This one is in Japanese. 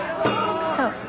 そう。